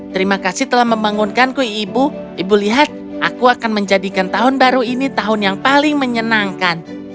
terima kasih telah membangunkanku ibu ibu lihat aku akan menjadikan tahun baru ini tahun yang paling menyenangkan